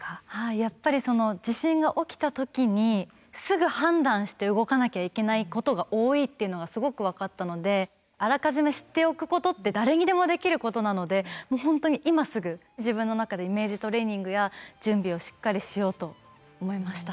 やっぱりその地震が起きた時にすぐ判断して動かなきゃいけないことが多いっていうのがすごく分かったのであらかじめ知っておくことって誰にでもできることなのでもう本当に今すぐ自分の中でイメージトレーニングや準備をしっかりしようと思いました。